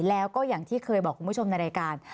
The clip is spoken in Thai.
แล้วก็อย่างที่เคยบอกคุณผู้ชมในรายการ